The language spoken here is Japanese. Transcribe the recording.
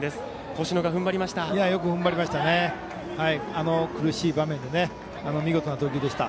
星野がふんばりました。